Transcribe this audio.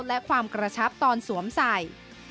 และความกระชับตอนสวมใส่